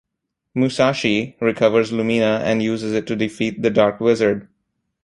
Musashi recovers Lumina and uses it to defeat The Dark Wizard.